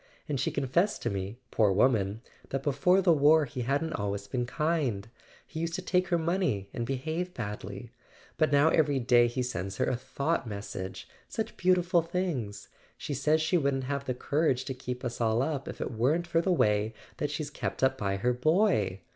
And she confessed to me, poor woman, that before the war he hadn't always been kind: he used to take her money, and behave badly. But now every day he sends her a thought message—such beautiful things ! She says she wouldn't have the courage to keep us all up if it weren't for the way that she's kept up by her boy.